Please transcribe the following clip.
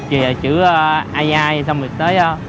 chỉ là chữ ai ai xong mới tới